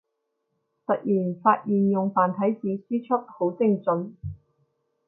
突然發現用繁體字輸出好精准